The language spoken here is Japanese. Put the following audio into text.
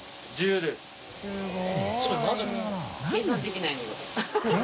◆舛すごい。